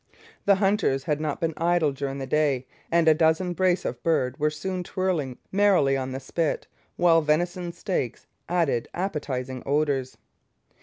The hunters had not been idle during the day, and a dozen brace of birds were soon twirling merrily on the spit, while venison steaks added appetizing odours.